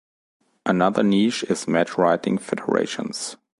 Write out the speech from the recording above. Another niche is match-writing federations.